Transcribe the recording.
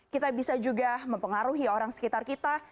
kita bisa juga mempengaruhi orang sekitar kita